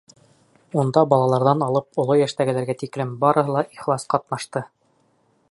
Унда балаларҙан алып оло йәштәгеләргә тиклем барыһы ла ихлас ҡатнашты.